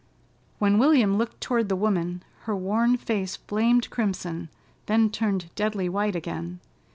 When William looked toward the woman her worn face flamed crimson, then turned deadly white again.